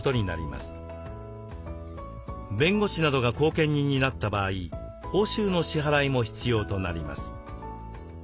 弁護士などが後見人になった場合報酬の支払いも必要となります。